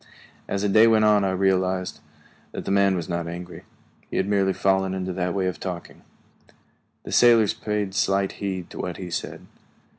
As the day went on I realized that the man was not angry; he had merely fallen into that way of talking. The sailors paid slight heed to what he said.